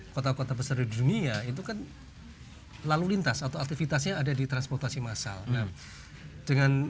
kota kota besar di dunia itu kan lalu lintas atau aktivitasnya ada di transportasi massal dengan